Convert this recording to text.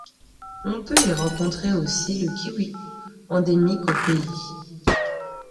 On peut y rencontrer aussi le kiwi, endémique au pays.